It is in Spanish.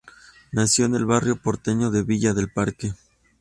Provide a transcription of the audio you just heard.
Nació en el barrio porteño de Villa del Parque.